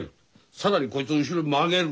更にこいつを後ろに曲げる。